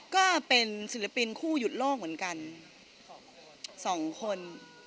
ก็เป็นศิลปินคู่หยุดโลกเหมือนกัน๒คน